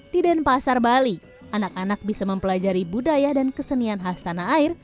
di denpasar bali anak anak bisa mempelajari budaya dan kesenian khas tanah air